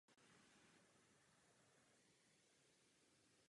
V celém Česku je to málo se vyskytující druh.